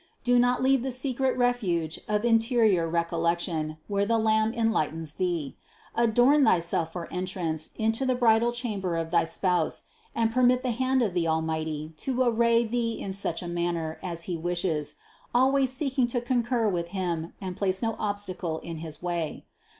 Do not leave the secret refuge of interior recollection, where the Lamb en lightens thee. Adorn thyself for entrance into the bridal chamber of thy Spouse, and permit the hand of the Al mighty to array thee in such a manner as He wishes, al ways seeking to concur with Him and place no obstacle in his way.